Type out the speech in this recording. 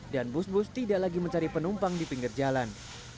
dan bus bus tidak lagi mencari penumpang di pinggir jalan